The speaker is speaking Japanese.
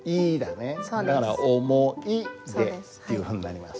だから「思い出」っていうふうになります。